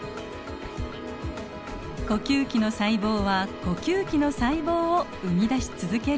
呼吸器の細胞は呼吸器の細胞を生み出し続けるわけです。